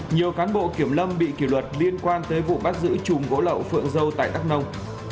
nhiều cán bộ kiểm lâm bị kỷ luật liên quan tới vụ bắt giữ chùm gỗ lậu phượng dâu tại đắk nông